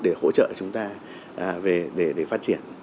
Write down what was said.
để hỗ trợ chúng ta để phát triển